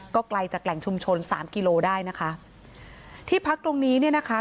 ก็ไกลจากแหล่งชุมชนสามกิโลได้นะคะที่พักตรงนี้เนี่ยนะคะ